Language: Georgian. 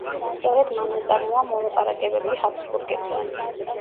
სწორედ მან აწარმოა მოლაპარაკებები ჰაბსბურგებთან.